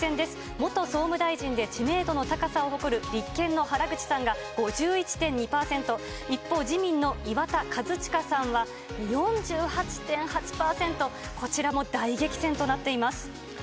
元総務大臣で知名度の高さを誇る立憲の原口さんが５１．２％、一方、自民の岩田和親さんは４８．８％、こちらも大激戦となっています。